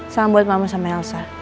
salam buat mama sama elsa